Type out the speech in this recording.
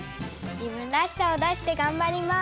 じぶんらしさをだしてがんばります！